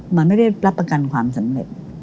มันไม่ได้รับประกันความสำเร็จ